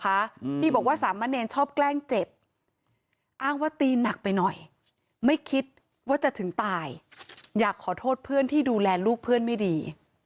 โทษทีดูแลลูกไม่ได้โทษทีดูแลลูกไม่ได้